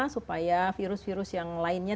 supaya virus virus yang lainnya